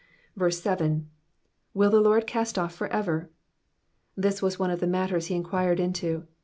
7. *'Will the Lard cast off for everV'* This was one of the matters he en quired into.